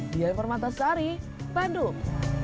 di alformatasari bandung